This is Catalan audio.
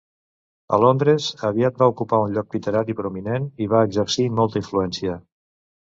A Londres, aviat va ocupar un lloc literari prominent i va exercir molta influència.